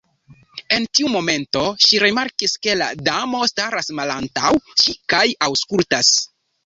En tiu momento ŝi rimarkis ke la Damo staras malantaŭ ŝi kaj aŭskultas.